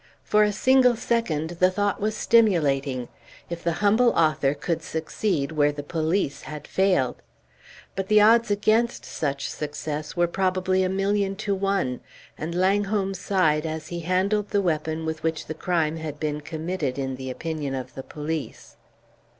For a single second the thought was stimulating; if the humble author could succeed where the police had failed! But the odds against such success were probably a million to one, and Langholm sighed as he handled the weapon with which the crime had been committed, in the opinion of the police.